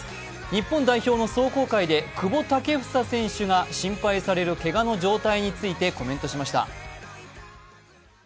日本代表の壮行会で久保建英選手が心配されるけがの状態についてコメントしました。